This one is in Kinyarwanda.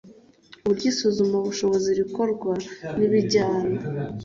uburyo isuzumabushobozi rikorwa n ibijyana